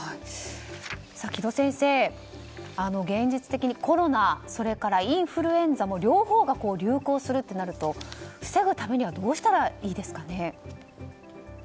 城戸先生、現実的にコロナ、インフルエンザの両方が流行するとなると防ぐためにはどうしたらいいですか？